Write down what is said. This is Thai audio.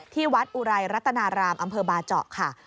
ที่วัดอุรัยรัฐนารามอำเภอบาเจาะ